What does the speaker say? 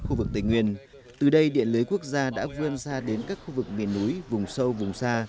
khu vực tây nguyên từ đây điện lưới quốc gia đã vươn xa đến các khu vực miền núi vùng sâu vùng xa